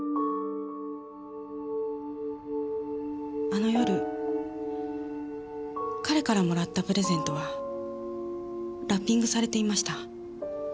あの夜彼からもらったプレゼントはラッピングされていました。